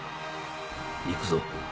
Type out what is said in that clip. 行くぞ。